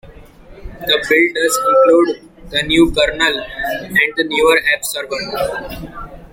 The build does include the new kernel and the newer AppServer.